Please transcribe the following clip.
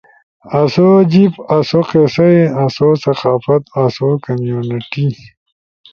آسو جیب آسو قصہ ئی، آسو ثقافت آسو کمیونٹی۔